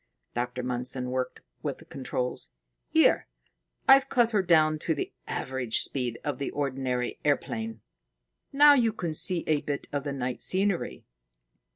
Dr. Mundson worked with the controls. "Here, I've cut her down to the average speed of the ordinary airplane. Now you can see a bit of the night scenery."